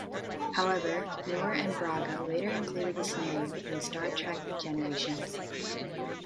However, Moore and Braga later included the scenario in "Star Trek Generations".